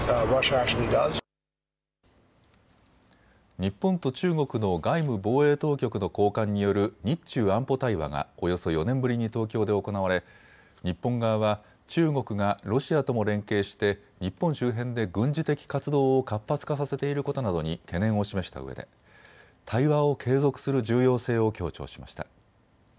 日本と中国の外務・防衛当局の高官による日中安保対話がおよそ４年ぶりに東京で行われ日本側は中国がロシアとも連携して日本周辺で軍事的活動を活発化させていることなどに懸念を示したうえで対話を継続する重要性を強調しました。